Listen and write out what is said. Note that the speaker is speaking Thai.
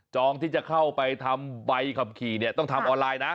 ที่จะเข้าไปทำใบขับขี่เนี่ยต้องทำออนไลน์นะ